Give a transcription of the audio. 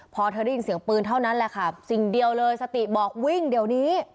พอเธอได้ยินเสียงปืนเท่านั้นแหละค่ะสิ่งเดียวเลยสติบอกวิ่งเดี๋ยวนี้